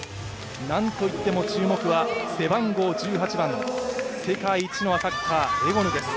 なんといっても注目は背番号１８番世界一のアタッカー、エゴヌです。